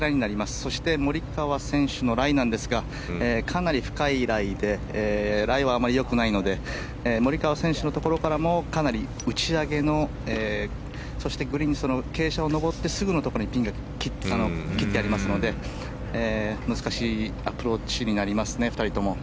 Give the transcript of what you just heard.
そして、モリカワ選手のライなんですがかなり深いライでライはあまりよくないのでモリカワ選手のところからもかなり打ち上げのそして、グリーンの傾斜を上ってすぐのところにピンが切ってありますので難しいアプローチになりますね、２人とも。